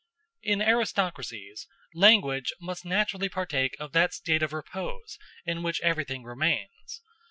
In aristocracies, language must naturally partake of that state of repose in which everything remains.